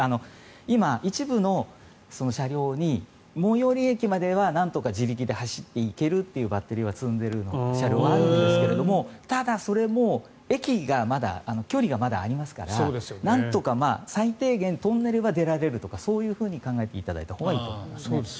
今、一部の車両に最寄り駅までは、なんとか自力で走っていけるというバッテリーを積んでいる車両はあるんですけどただ、それも駅が距離がまだありますからなんとか最低限トンネルは出られるとかそういうふうに考えていただけたらいいと思います。